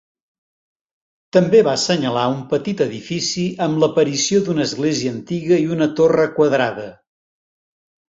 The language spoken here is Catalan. També va assenyalar un petit edifici amb l'aparició d'una església antiga i una torre quadrada.